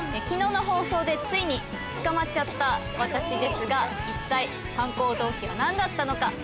昨日の放送でついに捕まっちゃった私ですが一体犯行動機は何だったのか？